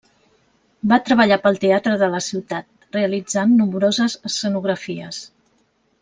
Va treballar pel teatre de la ciutat, realitzant nombroses escenografies.